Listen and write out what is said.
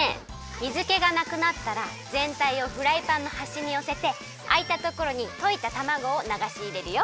水けがなくなったらぜんたいをフライパンのはしによせてあいたところにといたたまごをながしいれるよ。